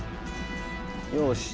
よし。